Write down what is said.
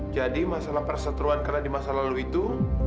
jadi masalah persatuan kalian di masa lalu itu